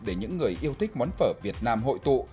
để những người yêu thích món phở việt nam hội tụ